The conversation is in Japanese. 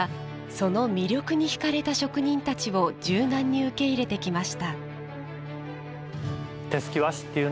伝統の和紙の産地はその魅力にひかれた職人たちを柔軟に受け入れてきました。